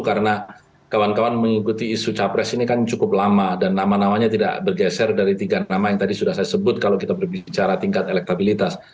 karena kawan kawan mengikuti isu cawapres ini kan cukup lama dan nama namanya tidak bergeser dari tiga nama yang tadi sudah saya sebut kalau kita berbicara tingkat elektabilitas